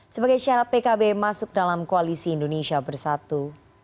sebagai syarat pkb masuk dalam koalisi indonesia bersatu